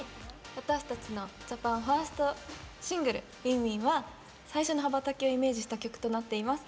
私たちのジャパンファーストシングル「ＷｉｎｇＷｉｎｇ」は羽ばたきをイメージした曲になっています。